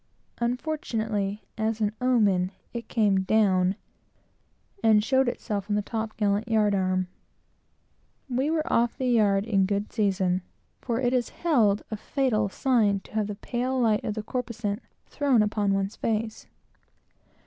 Unfortunately, as an omen, it came down, and showed itself on the top gallant yard arm. We were off the yard in good season, for it is held a fatal sign to have the pale light of the corposant thrown upon one's face.